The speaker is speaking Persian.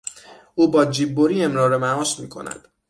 او با جیببری امرار معاش میکند.